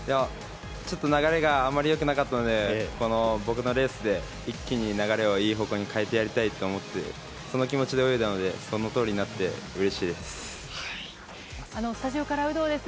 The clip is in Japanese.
ちょっと流れがあまり良くなかったので僕のレースで一気に流れをいい方向に変えてやりたいと思ってその気持ちで泳いだのでそのとおりになってスタジオから有働です。